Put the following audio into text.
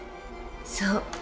そう。